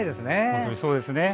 本当にそうですね。